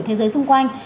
thế giới xung quanh